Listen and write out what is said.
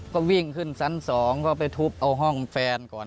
ก็วิ่งขึ้นชั้น๒ก็ไปทุบเอาห้องแฟนก่อน